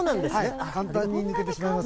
簡単に抜けてしまいます。